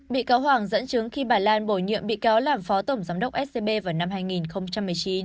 bị cáo hoàng dẫn chứng khi bà lan bổ nhiệm bị cáo làm phó tổng giám đốc scb vào năm hai nghìn một mươi chín